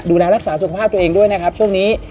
ดูแลรักษาสุขภาพตัวเองด้วยนะครับช่วงนี้